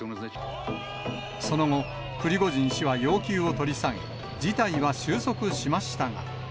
その後、プリゴジン氏は要求を取り下げ、事態は収束しましたが。